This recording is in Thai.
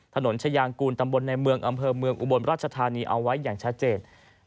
ฉยางกูลตำบลในเมืองอำเภอเมืองอุบลราชธานีเอาไว้อย่างชัดเจน